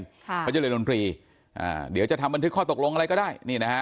เขาจะเรียนดนตรีเดี๋ยวจะทำบันทึกข้อตกลงอะไรก็ได้